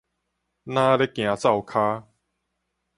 若咧行灶跤